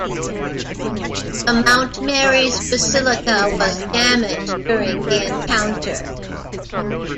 The Mount Mary's Basilica was damaged during this encounter.